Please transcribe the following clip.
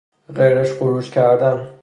غرچ و غروچ کردن